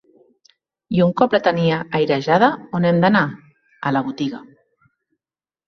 I un cop la tenia airejada, on hem d'anar? A la botiga.